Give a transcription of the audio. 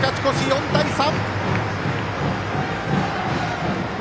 ４対３。